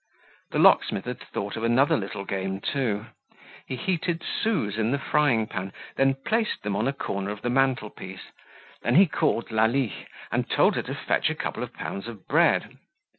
The locksmith had thought of another little game too. He heated sous in the frying pan, then placed them on a corner of the mantle piece; and he called Lalie, and told her to fetch a couple of pounds of bread.